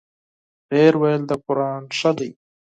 ـ ډېر ویل د قران ښه دی.